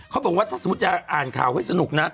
เขาบอกว่าถ้าสมมุติจะอ่านข่าวให้สนุกนะ